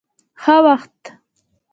ښه وخت.